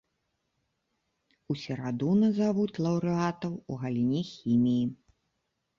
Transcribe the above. У сераду назавуць лаўрэатаў у галіне хіміі.